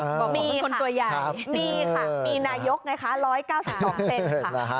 บอกว่าเป็นคนตัวใหญ่ครับมีค่ะมีค่ะมีนายกไงคะ๑๙๒เต็มค่ะ